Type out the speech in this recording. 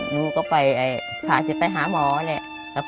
เมื่อเมื่อ